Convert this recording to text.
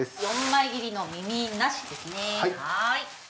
４枚切りのみみなしですね。